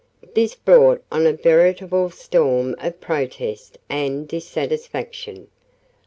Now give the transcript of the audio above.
This brought on a veritable storm of protest and dissatisfaction.